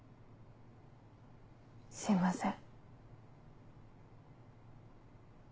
すいません。